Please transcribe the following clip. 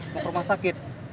mau ke rumah sakit